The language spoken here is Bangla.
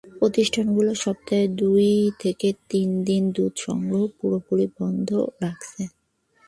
প্রতিষ্ঠানগুলো সপ্তাহে দুই থেকে তিন দিন দুধ সংগ্রহ পুরোপুরি বন্ধ রাখছে।